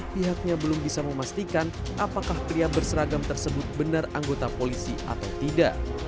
pihaknya belum bisa memastikan apakah pria berseragam tersebut benar anggota polisi atau tidak